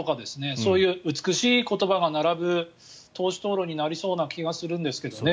そういう美しい言葉が並ぶ党首討論になりそうな気がするんですけどね。